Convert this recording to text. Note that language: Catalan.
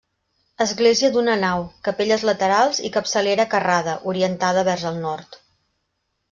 Església d'una nau, capelles laterals i capçalera carrada, orientada vers el nord.